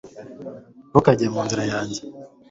ntukajye mu nzira yanjye